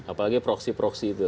apalagi proksi proksi itu